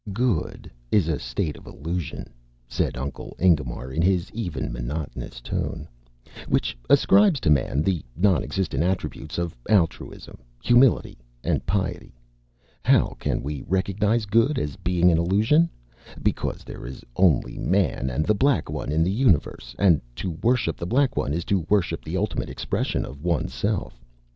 "Good is a state of illusion," said Uncle Ingemar in his even, monotonous voice, "which ascribes to man the nonexistent attributes of altruism, humility, and piety. How can we recognize Good as being an illusion? Because there is only man and The Black One in the universe, and to worship The Black One is to worship the ultimate expression of oneself.